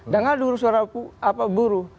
dengar dulu suara buruh